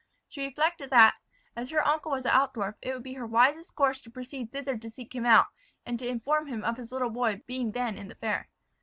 She reflected that, as her uncle was at Altdorf, it would be her wisest course to proceed thither to seek him out, and to inform him of his little boy being then in the fair.